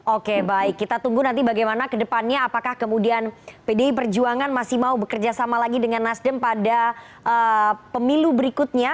oke baik kita tunggu nanti bagaimana kedepannya apakah kemudian pdi perjuangan masih mau bekerja sama lagi dengan nasdem pada pemilu berikutnya